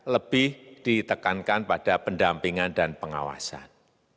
lebih ditekankan pada pendampingan dan pengawasan